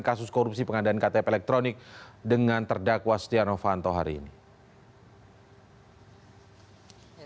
kasus korupsi pengadaan ktp elektronik dengan terdakwa stiano fanto hari ini